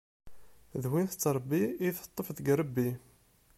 D win tettṛebbi i teṭṭef deg irebbi.